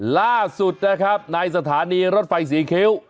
ล่าสุดนะครับในสถานีรถไฟศรีคิ้ว